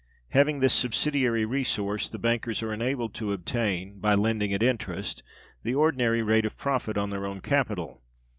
Having this subsidiary resource, bankers are enabled to obtain, by lending at interest, the ordinary rate of profit on their own capital.